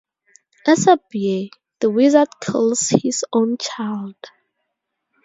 As a bear, the wizard kills his own child.